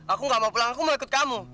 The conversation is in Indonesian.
aku gak mau pulang aku mau ikut kamu